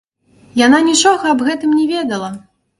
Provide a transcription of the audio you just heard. Яна нічога аб гэтым не ведала.